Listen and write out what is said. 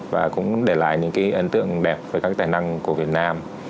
và cũng để lại những cái ấn tượng đẹp về các tài năng của việt nam